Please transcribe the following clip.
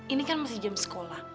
ini kan masih jam sekolah